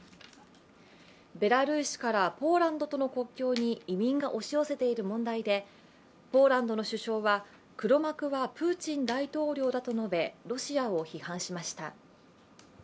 ベラルーシからポーランドとの国境に移民が押し寄せている問題でポーランドの首相は黒幕はプーチン大統領だと述べロシアを批判しました。